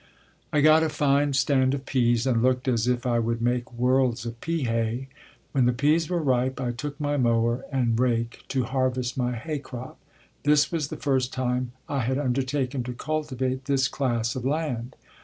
I got a fine stand of peas, and looked as if I would make worlds of pea hay. When the peas were ripe I took my mower and rake to harvest my hay crop. This was the first time I had undertaken to cultivate this class of land.